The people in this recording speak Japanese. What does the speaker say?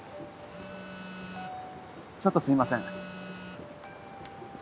ちょっとすいません。